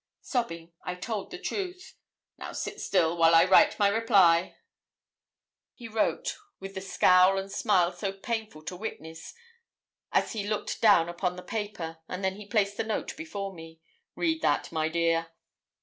Sobbing, I told the truth. 'Now sit still, while I write my reply.' He wrote, with the scowl and smile so painful to witness, as he looked down upon the paper, and then he placed the note before me 'Read that, my dear.'